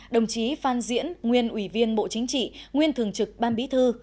đồng chí phan diễn nguyên ủy viên bộ chính trị nguyên thường trực ban bí thư